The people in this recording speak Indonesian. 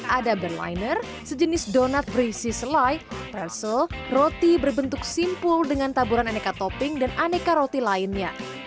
ada berliner sejenis donat berisi selai perssel roti berbentuk simpul dengan taburan aneka topping dan aneka roti lainnya